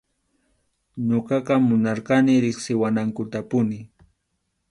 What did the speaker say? Ñuqaqa munarqani riqsiwanankutapuni.